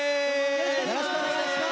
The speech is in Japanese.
よろしくお願いします。